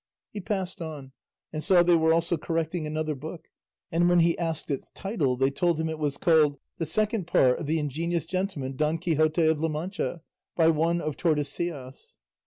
He passed on, and saw they were also correcting another book, and when he asked its title they told him it was called, "The Second Part of the Ingenious Gentleman Don Quixote of La Mancha," by one of Tordesillas.